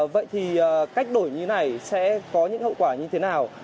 vậy thì cách đổi như này sẽ có những hậu quả như thế nào